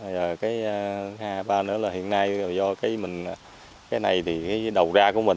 rồi cái hai ba nữa là hiện nay do cái này thì cái đầu ra của mình